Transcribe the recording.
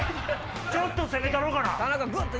ちょっと攻めたろかな。